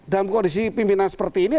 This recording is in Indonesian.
dalam kondisi pimpinan seperti ini